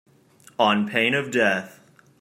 On pain of death